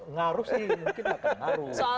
ngaruh sih kita akan ngaruh